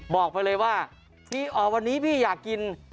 บอกไปเลยว่าวันนี้พี่อยากกิน